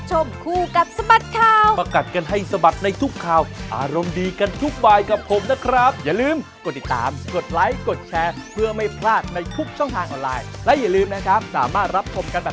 ใช่แล้วล่ะครับ